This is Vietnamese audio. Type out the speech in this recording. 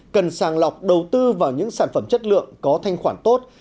cần sàng lọc đầu tư vào những sản phẩm chất lượng có thanh khoản tốt